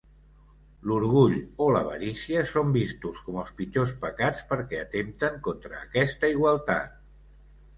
L'orgull o l'avarícia són vistos com els pitjors pecats perquè atempten contra aquesta igualtat.